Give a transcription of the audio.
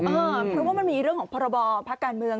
เพราะว่ามันมีเรื่องของพรบพักการเมือง